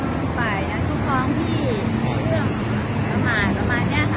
ก็กลางไปอัตภวองที่เตือนประมาณประมาณเนี้ยค่ะ